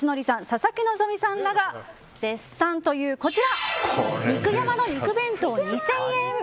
佐々木希さんらが絶賛という肉山の肉弁当、２０００円。